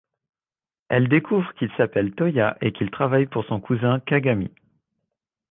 Elle découvre qu'il s'appelle Toya et qu'il travaille pour son cousin Kagami.